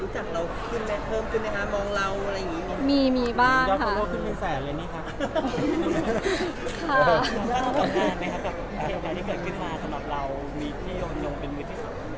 คุณยังไปไหนมาไหนคุณรู้จักเราขึ้นไหมเพิ่มขึ้นไหมคะมองเราอะไรอย่างนี้